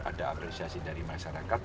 ada apresiasi dari masyarakat